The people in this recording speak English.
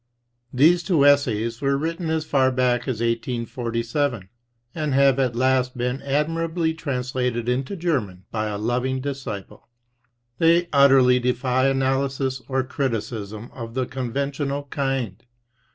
These two essays were written as far back as 1847, and have at last been admirably translated into German by a loving disciple. They utterly defy analysis or criticism of the conventional kind.